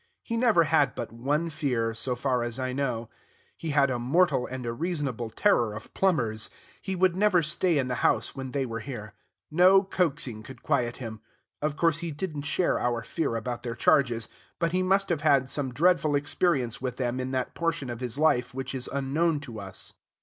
He never had but one fear, so far as I know: he had a mortal and a reasonable terror of plumbers. He would never stay in the house when they were here. No coaxing could quiet him. Of course he did n't share our fear about their charges, but he must have had some dreadful experience with them in that portion of his life which is unknown to us.